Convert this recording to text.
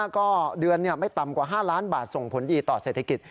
ก็เดือนไม่ต่ำกว่า๕ล้านบาทส่งผลดีต่อเศรษฐกิจ